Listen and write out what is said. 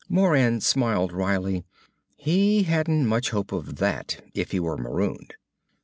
Moran smiled wryly. He hadn't much hope of that, if he were marooned.